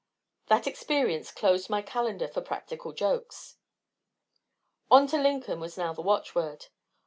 That experience closed my calendar for practical jokes. On to Lincoln was now the watchword.